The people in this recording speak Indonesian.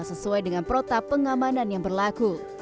sesuai dengan protap pengamanan yang berlaku